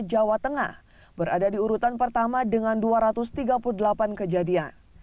jawa tengah berada di urutan pertama dengan dua ratus tiga puluh delapan kejadian